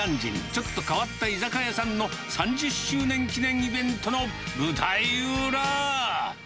ちょっと変わった居酒屋さんの３０周年記念イベントの舞台裏。